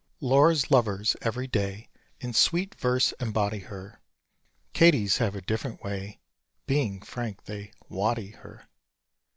Laura's lovers every day In sweet verse embody her: Katie's have a different way, Being frank, they "waddy" her.